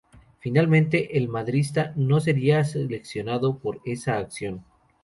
Finalmente, el madridista no sería sancionado por esa acción.